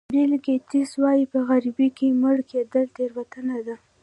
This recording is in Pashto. بیل ګېټس وایي په غریبۍ کې مړ کېدل تېروتنه ده.